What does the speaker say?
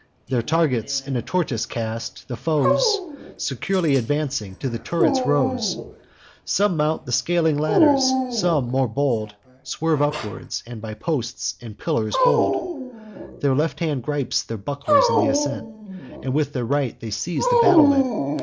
Their targets in a tortoise cast, the foes, Secure advancing, to the turrets rose: Some mount the scaling ladders; some, more bold, Swerve upwards, and by posts and pillars hold; Their left hand gripes their bucklers in th' ascent, While with their right they seize the battlement.